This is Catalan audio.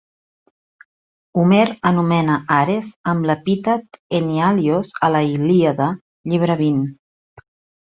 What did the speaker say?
Homer anomena Ares amb l'epítet Enyalios a la Ilíada, llibre xx.